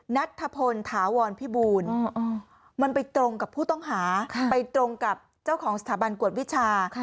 นัทธพลถาวรพิบูลมันไปตรงกับผู้ต้องหาไปตรงกับเจ้าของสถาบันกวดวิชา